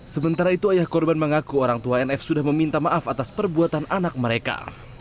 sementara itu ayah korban mengaku orang tua nf sudah meminta maaf atas perbuatan anak mereka